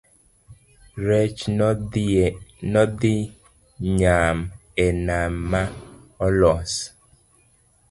rech nodhimany e nam ma olos